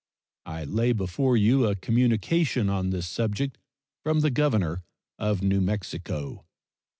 I lay before you a communication on this subject from the governor of New Mexico.